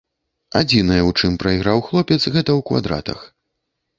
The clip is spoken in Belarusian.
Адзінае, у чым прайграў хлопец, гэта ў квадратах.